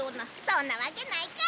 そんなわけないか！